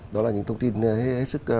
đó là những thông tin hết sức